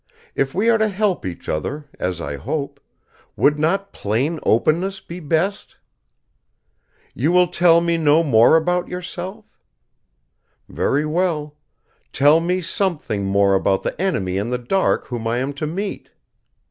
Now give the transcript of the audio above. If we are to help each other, as I hope, would not plain openness be best? You will tell me no more about yourself? Very well. Tell me something more about the enemy in the dark whom I am to meet.